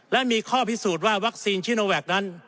และมีข้อพิสูจน์ว่าวัคซีนชิโนแวคนั้น